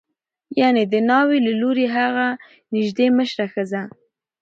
یعنې د ناوې له لوري هغه نژدې مشره ښځه